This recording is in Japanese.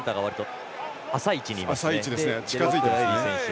浅い位置にいますね。